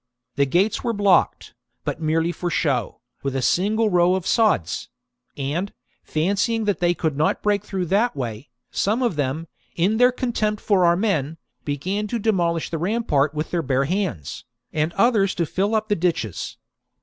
The gates were blocked, but merely for show, with a single row of sods ; and, fancying that they could not break through that way, some of them, in their contempt for our men, began to demolish the rampart with their bare hands, and others to fill up the ditches.